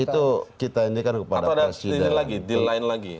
itu kita ini kan kepada presiden